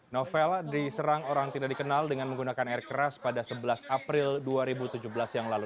novel diserang orang tidak dikenal dengan menggunakan air keras pada sebelas april dua ribu tujuh belas yang lalu